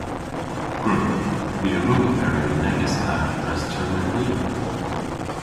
Gwrug. My a wrug oberi yn negys na dres termyn hir.